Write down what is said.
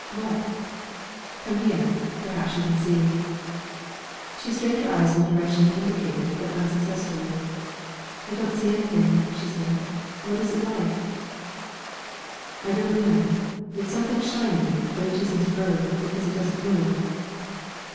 "What?" "Come here perhaps you can see." She strained her eyes in the direction he indicated, but unsuccessfully. "I don't see anything," she said; "what is it like?" "I don't know. It's something shiny, but it isn't a bird, because it doesn't move."